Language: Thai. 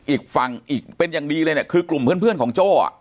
อีกฝั่งอีกเป็นอย่างดีเลยเนี่ยคือกลุ่มเพื่อนของโจ้อ่ะ